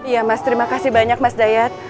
iya mas terima kasih banyak mas dayat